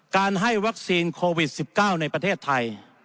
การให้วัคซีนโควิด๑๙ในประเทศไทย